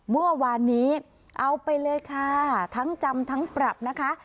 เมื่อวานนี้เอาไปเลยค่ะทั้งจำทั้งปรับนะคะ